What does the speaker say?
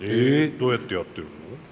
どうやってやってるの？